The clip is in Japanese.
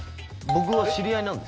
僕は知り合いなんです。